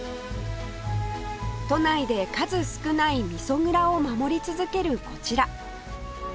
都内で数少ないみそ蔵を守り続けるこちら